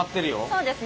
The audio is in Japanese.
そうですね